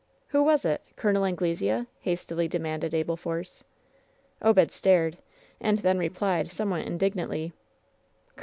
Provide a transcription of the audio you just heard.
"Who was it? Col. Anglesea?" hastily demanded 'Abel Force. Obed stared, and then replied, somewhat indignantly : "Col.